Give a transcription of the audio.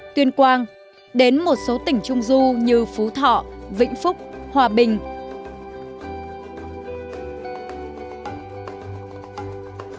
tuyên quang đến một số tỉnh trung du như phú thọ vĩnh phúc hòa bình ngoài ra người giao còn chia ra thành nhiều nhóm khác nhau với những dân tộc khác nhau